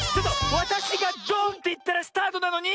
わたしがドーンっていったらスタートなのに！